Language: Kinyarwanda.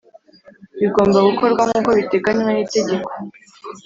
Bigomba gukorwa nkuko biteganywa n’itegeko